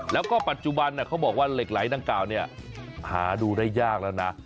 แล้วก็ปัจจุบันเขาบอกว่าเหล็กไหลดังกล่าวเนี่ยหาดูได้ยากแล้วนะ